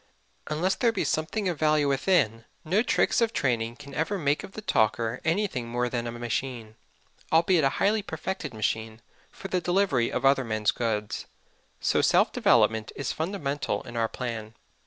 Unless there be something of value within, no tricks of training can ever make of the talker anything more than a machine albeit a highly perfected machine for the delivery of other men's goods. So self development is fundamental in our plan.